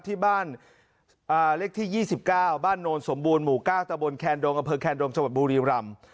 ที่บ้านเลขที่๒๙บ้านโนลสมบูรณ์หมู่ก้าวตะบนแคนดรมอเภอแคนดรมสวรรค์บูรีรำ